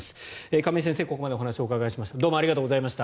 亀井先生、ここまでお話をお伺いしました。